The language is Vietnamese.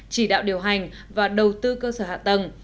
chỉ đạo điều hành và đầu tư cơ sở hạ tầng